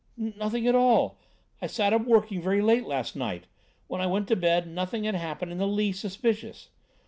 "Nothing at all. I sat up working very late last night. When I went to bed, nothing had happened in the least suspicious.